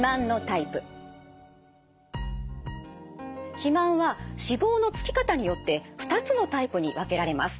肥満は脂肪の付き方によって２つのタイプに分けられます。